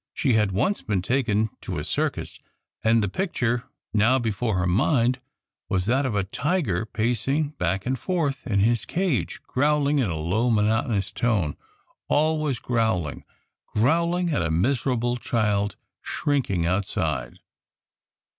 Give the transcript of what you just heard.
She had once been taken to a circus, and the picture now before her mind was that of a tiger pacing back and forth in his cage, growling in a low monotonous tone, always growling, growling at a miserable child shrinking outside.